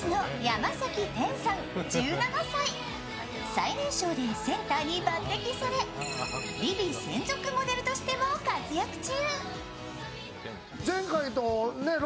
最年少でセンターに抜てきされ、「ＶｉＶｉ」専属モデルとしても活躍中。